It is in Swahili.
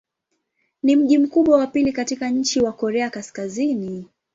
Ni mji mkubwa wa pili katika nchi wa Korea Kaskazini.